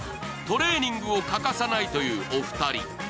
トレーニングを欠かさないというお二人。